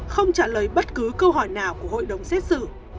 không trả lời bất cứ câu hỏi nào của hội đồng xét xử